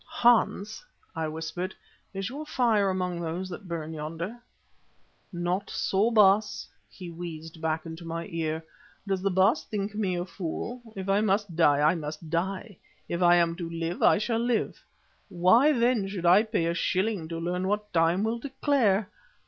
"Hans," I whispered, "is your fire among those that burn yonder?" "Not so, Baas," he wheezed back into my ear. "Does the Baas think me a fool? If I must die, I must die; if I am to live, I shall live. Why then should I pay a shilling to learn what time will declare?